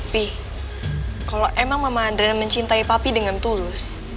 pi kalau emang mama adriana mencintai papi dengan tulus